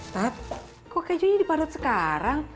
pat kok kejunya diparut sekarang